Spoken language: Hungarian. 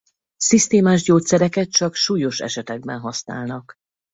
Szisztémás gyógyszereket csak súlyos esetekben használnak.